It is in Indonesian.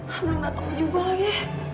belum datang juga lagi